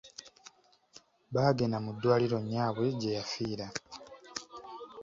Baagenda nu ddwaliro nyaabwe gye yafiira!